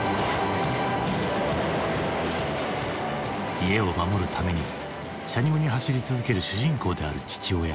家を守るためにしゃにむに走り続ける主人公である父親。